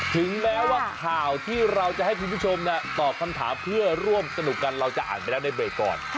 ถึงแม้ว่าข่าวที่เราจะให้คุณผู้ชมตอบคำถามเพื่อร่วมสนุกกันเราจะอ่านไปแล้วในเบรกก่อน